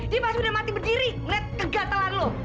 dia pas udah mati berdiri ngeliat kegatelan lu